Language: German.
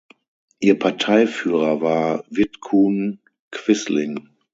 Ihr Parteiführer war Vidkun Quisling.